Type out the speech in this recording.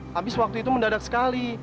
habis waktu itu mendadak sekali